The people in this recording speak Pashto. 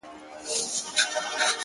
اشنا کوچ وکړ کوچي سو زه یې پرېښودم یوازي؛